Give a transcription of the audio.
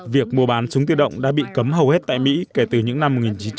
việc mua bán súng tự động đã bị cấm hầu hết tại mỹ kể từ những năm một nghìn chín trăm chín mươi